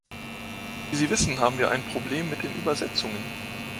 Wie Sie wissen, haben wir ein Problem mit den Übersetzungen.